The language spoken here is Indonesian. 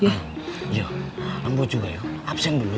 ya ampun juga ya absen dulu